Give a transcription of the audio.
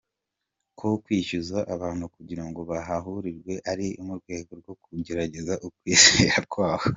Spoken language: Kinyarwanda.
com ko kwishyuza abantu kugira ngo bahanurirwe ari mu rwego rwo kugerageza ukwizera kwabo.